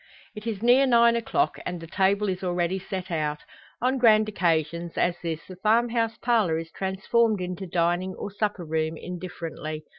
It is near nine o'clock, and the table is already set out. On grand occasions, as this, the farm house parlour is transformed into dining or supper room, indifferently.